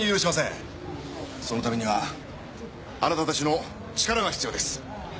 そのためにはあなたたちの力が必要です。